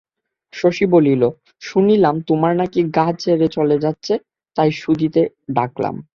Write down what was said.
শশী বলিল, শুনলাম তোমরা নাকি গাঁ ছেড়ে চলে যাচ্ছে, তাই শুধোতে ডাকলাম।